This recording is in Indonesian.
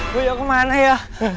gue yang kemana ya